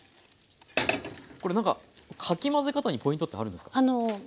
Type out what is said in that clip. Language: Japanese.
これ何かかき混ぜ方にポイントってあるんですか？